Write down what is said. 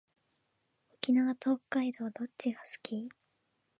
沖縄と北海道どっちが好き？